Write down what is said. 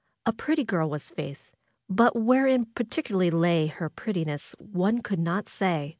A pretty girl was Faith; but wherein particularly lay her prettiness one could not say.